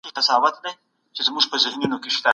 اسلامي اقتصاد د پانګه والۍ نه عادل دی.